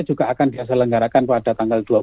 juga akan diselenggarakan pada tanggal